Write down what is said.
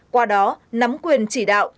qua đó nắm quyền chỉ đạo